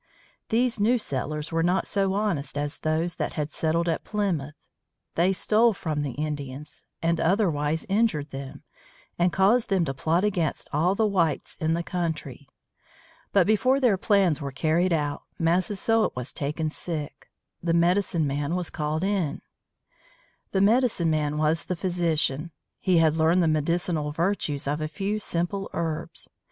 These new settlers were not so honest as those that had settled at Plymouth. They stole from the Indians and otherwise injured them, and caused them to plot against all the whites in the country. But before their plans were carried out Massasoit was taken sick. The medicine man was called in. The medicine man was the physician. He had learned the medicinal virtues of a few simple herbs.